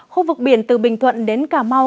khu vực biển từ bình thuận đến cà mau